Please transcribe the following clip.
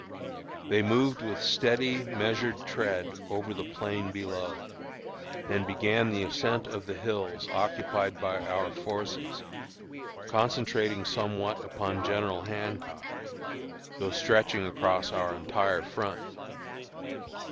They moved with steady, measured tread over the plain below, and began the ascent of the hills occupied by our forces, concentrating somewhat upon General Hancock, though stretching across our entire front.